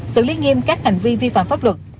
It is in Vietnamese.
xử lý nghiêm các hành vi vi phạm pháp luật